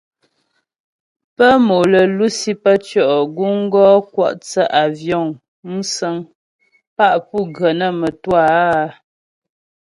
Bə́ mò lə́ lusi pə́ tʉɔ' guŋ gɔ kwɔ' thə́ àvyɔ̌ŋ (musə̀ŋ) pá pu gə nə́ mə́twâ áa.